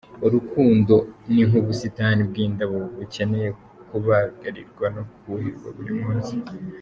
Urukundo ni nk’ubusitani bw’indabo, bukeneye kubagarirwa no kuhirwa buri munsi.